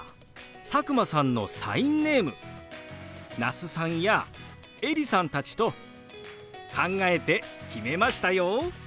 佐久間さんのサインネーム那須さんやエリさんたちと考えて決めましたよ。